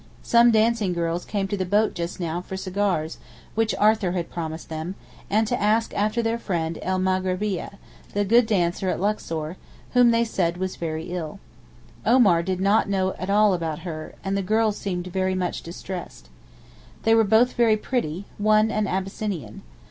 Some dancing girls came to the boat just now for cigars which Arthur had promised them, and to ask after their friend el Maghribeeyeh, the good dancer at Luxor, whom they said was very ill. Omar did not know at all about her, and the girls seemed much distressed. They were both very pretty, one an Abyssinian.